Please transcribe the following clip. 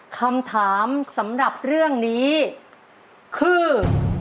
คำถามสำหรับเรื่องนี้คือ